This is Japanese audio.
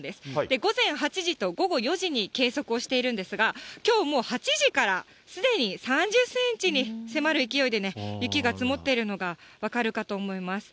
午前８時と午後４時に計測をしているんですが、きょう、もう８時からすでに３０センチに迫る勢いでね、雪が積もっているのが分かるかと思います。